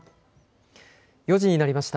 ４時になりました。